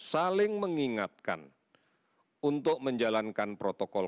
saling mengingatkan untuk menjalankan protokol